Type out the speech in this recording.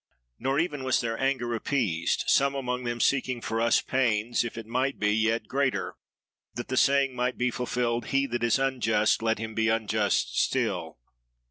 "Nor even so was their anger appeased; some among them seeking for us pains, if it might be, yet greater; that the saying might be fulfilled, He that is unjust, let him be unjust still.